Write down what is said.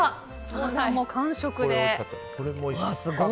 佐野さんも完食で。